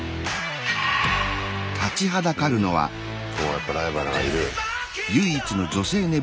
やっぱライバルがいる。